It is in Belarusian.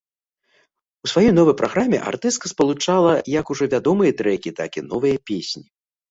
У сваёй новай праграме артыстка спалучала як ужо вядомыя трэкі, так і новыя песні.